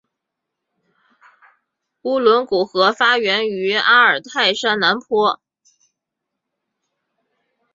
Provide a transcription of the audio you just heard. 乌伦古河发源于阿尔泰山南坡。